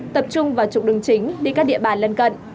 tập trung vào trục đường chính đi các địa bàn lân cận